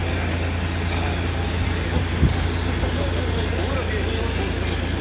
俺ら芸人は投資だと思って。